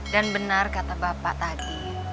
benar kata bapak tadi